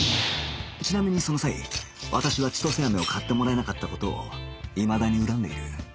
ちなみにその際私は千歳飴を買ってもらえなかった事をいまだに恨んでいる